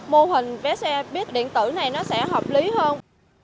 mô hình vé xe buýt điện tử này nó sẽ hợp lý hơn